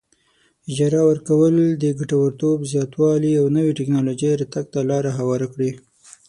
اجاره ورکول د ګټورتوب زیاتوالي او نوې ټیکنالوجۍ راتګ ته لار هواره کړي.